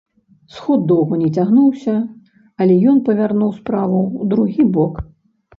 Сход доўга не цягнуўся, але ён павярнуў справу ў другі бок.